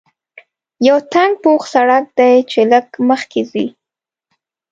یو تنګ پوخ سړک دی چې لږ مخکې ځې.